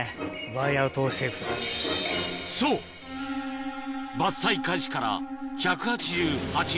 そう伐採開始から１８８日